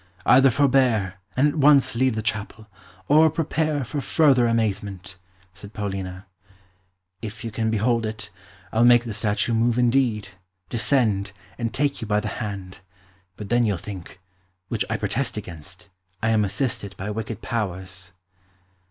"Either forbear, and at once leave the chapel, or prepare for further amazement," said Paulina. "If you can behold it, I'll make the statue move indeed, descend, and take you by the hand. But then you'll think which I protest against I am assisted by wicked powers."